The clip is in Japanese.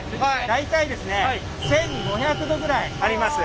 大体ですね１，５００℃ぐらいあります。